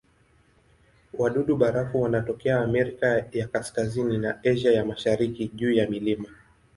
Wadudu-barafu wanatokea Amerika ya Kaskazini na Asia ya Mashariki juu ya milima.